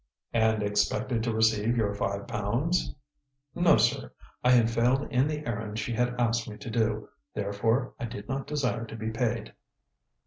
"And expected to receive your five pounds?" "No, sir. I had failed in the errand she had asked me to do; therefore, I did not desire to be paid."